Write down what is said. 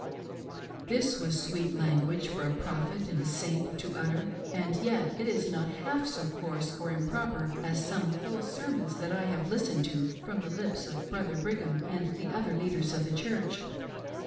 This was sweet language for a Prophet and a Saint to utter, and yet it is not half so coarse or improper as some whole sermons that I have listened to from the lips of Brothei Brigham and the other leaders of the Church.